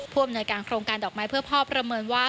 อำนวยการโครงการดอกไม้เพื่อพ่อประเมินว่า